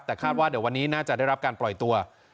แต่คาดว่าเดี๋ยววันนี้น่าจะได้รับการปล่อยตัว